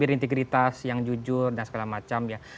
integritas yang jujur dan segala macam ya